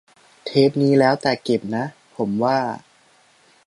เทปนี่แล้วแต่เก็บนะ ผมว่า